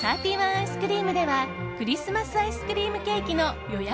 アイスクリームではクリスマスアイスクリームケーキの予約